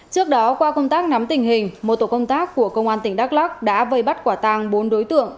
trước đó qua công tác nắm tình hình một tổ công tác của công an tp hcm đã vây bắt quả tàng bốn đối tượng